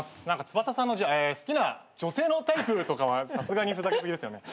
ツバサさんの好きな女性のタイプとかはさすがにふざけ過ぎですよね。